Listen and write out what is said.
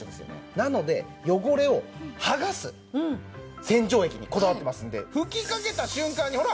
なので汚れを剥がす洗浄液にこだわってますんで吹きかけた瞬間にほら！